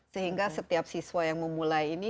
sehingga setiap siswa yang memulai ini